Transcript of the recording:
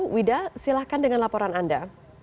wida silahkan dengan laporan anda